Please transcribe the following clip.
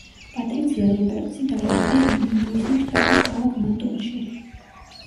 პატრიცია რობერტსი დაიბადა ილინოისის შტატის ქალაქ მატუნში.